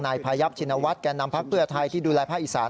นายพายับชินวัฒน์การนำพักเบื้อไทยที่ดูแลพระอีสาน